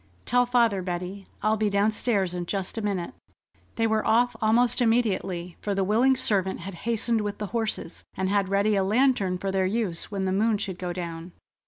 ... Tell father, Betty. I'll be downstairs in just a minute." They were off almost immediately, for the willing servant had hastened with the horses, and had ready a lantern for their use when the moon should go down.